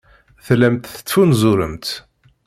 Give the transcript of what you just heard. Tellamt tettfunzuremt.